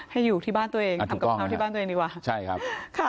ให้อยู่ที่บ้านตัวเองอันถุกรรมนะครับ